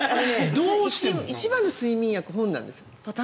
一番の睡眠薬本なんです。